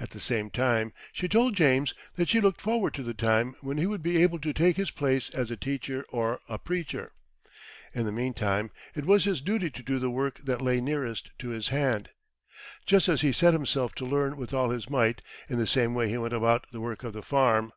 At the same time, she told James that she looked forward to the time when he would be able to take his place as a teacher or a preacher. In the meantime, it was his duty to do the work that lay nearest to his hand. Just as he set himself to learn with all his might, in the same way he went about the work of the farm.